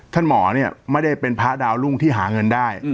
หมอเนี่ยไม่ได้เป็นพระดาวรุ่งที่หาเงินได้